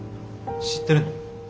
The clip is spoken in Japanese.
知ってるの？